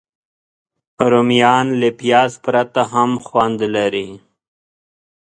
رومیان له پیاز پرته هم خوند لري